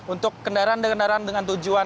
untuk kendaraan kendaraan dengan tujuan